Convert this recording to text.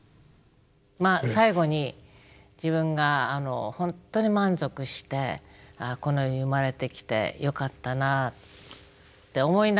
まあ最後に自分が本当に満足してこの世に生まれてきてよかったなって思いながら。